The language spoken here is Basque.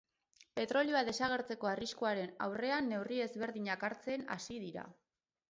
Petrolioa desagertzeko arriskuaren aurrean neurri ezberdinak hartzen hasi dira.